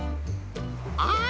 ああ！